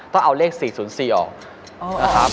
ต้องเอาเลข๔๐๔ออก